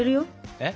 えっ？